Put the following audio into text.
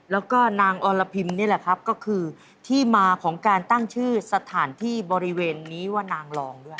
แล้วก็นางอรพิมนี่แหละครับก็คือที่มาของการตั้งชื่อสถานที่บริเวณนี้ว่านางรองด้วย